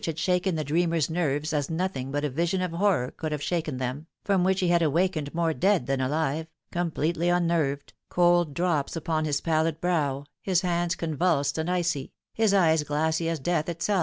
241 had shaken the dreamer's nerves as nothing but a vision of horror could have shaken them, from which he had awakened more dead than alive, completely nnnerved, cold drops upon his pallid brow, his hands convulsed and icy, his eyes glassy as death itself.